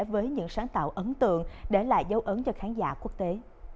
với những sáng tạo ấn tượng để lại dấu ấn cho khán giả quốc tế